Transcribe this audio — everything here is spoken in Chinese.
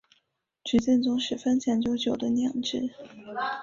菊正宗十分讲究酒的酿制。